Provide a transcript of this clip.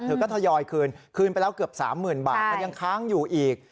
เธอก็ทยอยคืนคืนไปแล้วเกือบ๓๐๐๐บาทมันยังค้างอยู่อีก